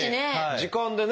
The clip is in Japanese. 時間でね。